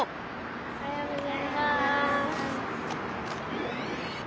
おはようございます。